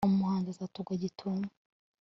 umunyazi azatugwa gitumo